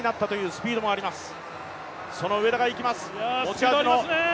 スピードありますね！